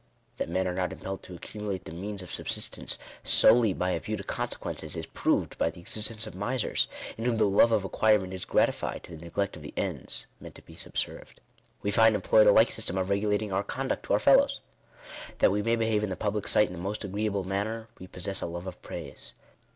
That men are not im pelled to accumulate the means of subsistence solely by a view to consequences, is proved by the existence of misers, in whom the love of acquirement is gratified to the neglect of the ends meant to be subserved. We find employed a like . system of regulating our conduct to our fellows. That we may behave in the public sight in the most agreeable manner, we possess a love of praise.